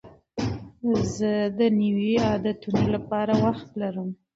زه د نویو عادتونو لپاره وخت لرم.